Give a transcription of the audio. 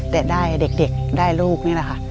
แต่ได้เด็กได้ลูกนี่แหละค่ะ